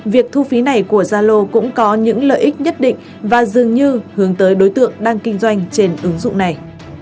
việc thu phí này của zalo cũng có những lợi ích nhất định và dường như hướng tới đối tượng đang kinh doanh trên ứng dụng này